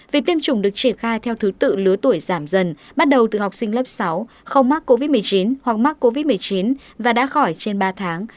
việc tiêm chủng được triển khai theo thứ tự lứa tuổi giảm dần bắt đầu từ học sinh lớp sáu không mắc covid một mươi chín hoặc mắc covid một mươi chín và đã khỏi trên ba tháng